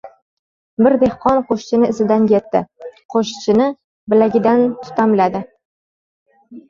Bir dehqon qo‘shchini izidan yetdi. Qo‘shchini bilagidan tutamladi.